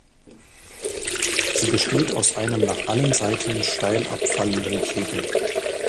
Sie besteht aus einem nach allen Seiten steil abfallenden Kegel.